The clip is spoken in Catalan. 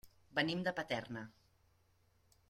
Venim de Paterna.